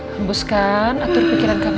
hembuskan atur pikiran kamu